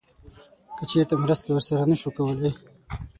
که چیرته مرسته ورسره نه شو کولی